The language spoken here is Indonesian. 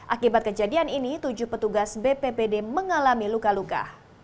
akibat kejadian ini tujuh petugas bppd mengalami luka luka